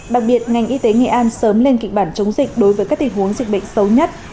đặc biệt ngành y tế nghệ an sớm lên kịch bản chống dịch đối với các tình huống dịch bệnh xấu nhất